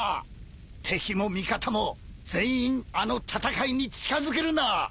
敵も味方も全員あの戦いに近づけるな！